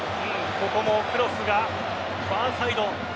ここもクロスがファーサイド。